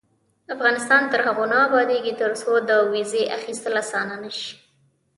افغانستان تر هغو نه ابادیږي، ترڅو د ویزې اخیستل اسانه نشي.